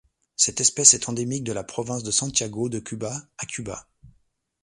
Cette espèce est endémique de la province de Santiago de Cuba à Cuba.